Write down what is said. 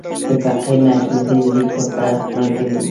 د فقیر نجم الدین لیک ورسره ملګری وو.